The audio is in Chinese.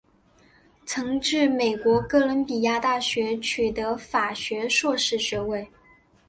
曾至美国哥伦比亚大学取得法学硕士学位。